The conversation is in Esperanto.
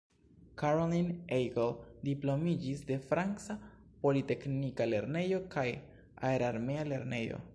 Caroline Aigle diplomiĝis de "Franca Politeknika Lernejo" kaj "Aerarmea Lernejo".